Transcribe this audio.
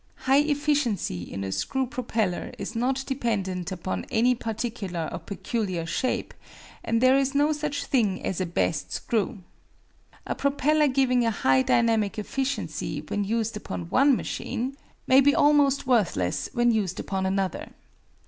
High efficiency in a screw propeller is not dependent upon any particular or peculiar shape; and there is no such thing as a "best" screw. A propeller giving a high dynamic efficiency when used upon one machine may be almost worthless when used upon another.